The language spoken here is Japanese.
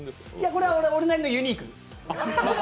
これは俺なりのユニーク。